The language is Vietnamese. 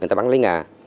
người ta bắn lấy nhà